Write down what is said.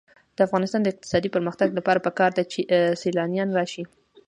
د افغانستان د اقتصادي پرمختګ لپاره پکار ده چې سیلانیان راشي.